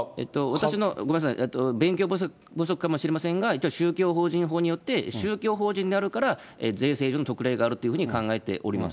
私のごめんなさい、勉強不足かもしれませんが、一応、宗教法人法によって、宗教法人であるから、税制上の特例があるというふうに考えております。